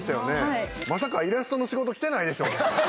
はいまさかイラストの仕事来てないでしょうね